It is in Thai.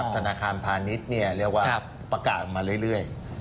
ทานคารพาณิชย์นี้เลยว่าประกาศมาเรื่อย